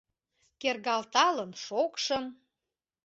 Кергалталын шокшым